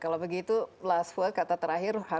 kalau begitu last word kata terakhir